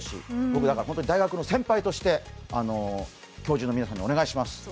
僕、大学の先輩として教授の皆さんにお願いします。